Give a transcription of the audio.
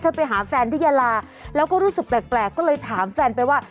ไปหาแฟนที่ยาลาแล้วก็รู้สึกแปลกก็เลยถามแฟนไปว่า